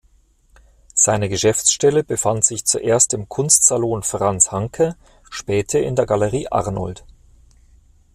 Seine Geschäftsstelle befand sich zuerst im Kunstsalon Franz Hancke, später in der Galerie Arnold.